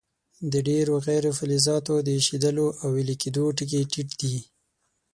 د ډیرو غیر فلزاتو د ایشېدلو او ویلي کیدلو ټکي ټیټ دي.